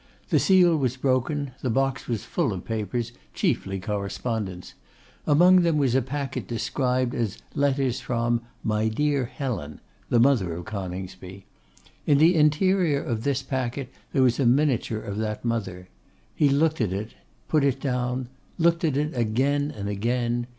The seal was broken; the box was full of papers, chiefly correspondence: among them was a packet described as letters from 'my dear Helen,' the mother of Coningsby. In the interior of this packet there was a miniature of that mother. He looked at it; put it down; looked at it again and again.